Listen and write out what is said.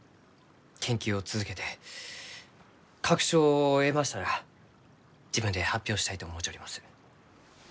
研究を続けて確証を得ましたら自分で発表したいと思うちょります。